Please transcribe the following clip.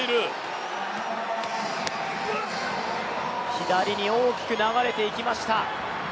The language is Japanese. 左に大きく流れていきました。